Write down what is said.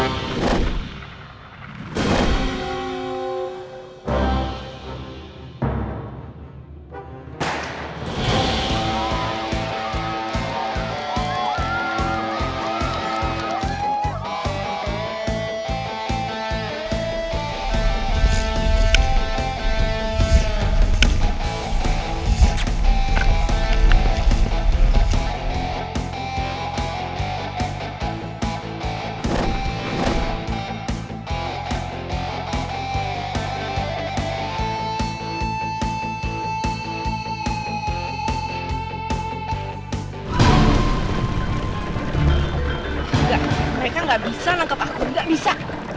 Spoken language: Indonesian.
tidak mereka tidak bisa lengkap aku tidak bisa